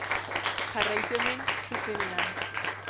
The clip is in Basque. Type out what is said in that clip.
Jarraitu hemen, zuzenean.